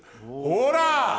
ほら！